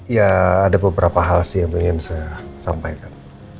ya ada beberapa hal sih yang ingin saya sampaikan